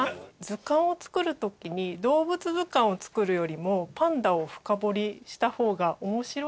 図鑑を作る時に動物図鑑を作るよりもパンダを深掘りした方が面白いかなと。